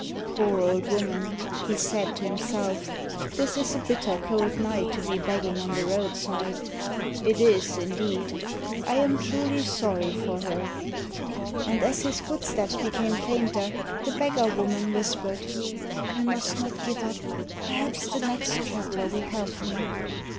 "Poor old woman," he said to himself. "This is a bitter cold night to be begging on the roadside. It is, indeed. I am truly sorry for her." And as his footsteps became fainter, the beggar woman whispered, "I must not give up. Perhaps the next traveler will help me."